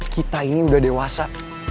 kita ini udah dewasa